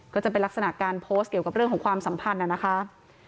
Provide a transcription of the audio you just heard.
ก็จะเป็นลักษณะการโพสต์เกี่ยวกับเรื่องของความสัมพันธ์นะคะ